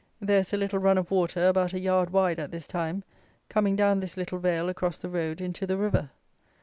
There is a little run of water about a yard wide at this time, coming down this little vale across the road into the river.